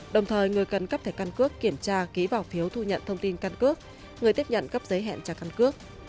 đồng thời người cần cấp thẻ căn cước kiểm tra ký vào phiếu thu nhận thông tin căn cước người tiếp nhận cấp giấy hẹn trả căn cước